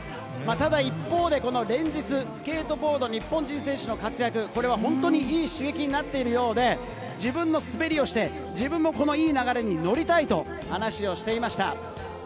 一方で連日、スケートボード日本人選手の活躍、これは本当にいい刺激になっているようで、自分の滑りをして、自分のいい流れに乗りたいと話をしていました。